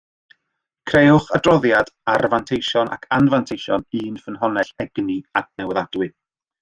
Crëwch adroddiad ar fanteision ac anfanteision un ffynhonnell egni adnewyddadwy